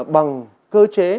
bằng cơ chế